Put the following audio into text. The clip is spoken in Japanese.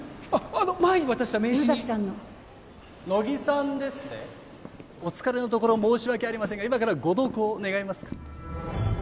あの前に渡した名刺に野崎さんの乃木さんですねお疲れのところ申し訳ありませんが今からご同行願えますか？